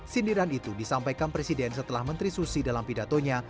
sindiran itu disampaikan presiden setelah menteri susi dalam pidatonya